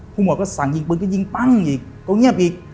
หมวดก็สั่งยิงปืนก็ยิงปั้งอีกก็เงียบอีก